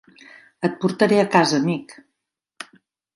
Et portaré a casa, amic.